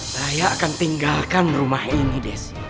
saya akan tinggalkan rumah ini des